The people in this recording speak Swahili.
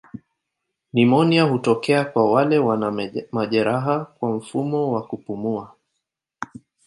Nimonia hutokea kwa wale wana majeraha kwa mfumo wa kupumua.